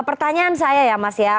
pertanyaan saya ya mas ya